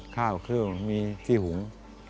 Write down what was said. ข้าวเครื่องมีที่หุง